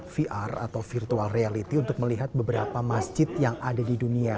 vr atau virtual reality untuk melihat beberapa masjid yang ada di dunia